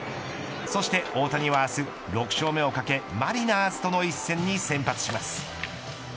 そして大谷は、明日６勝目をかけマリナーズとの一戦に先発します。